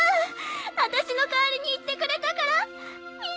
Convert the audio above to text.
あたしの代わりに行ってくれたからみんな。